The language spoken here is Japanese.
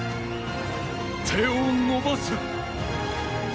手を伸ばす。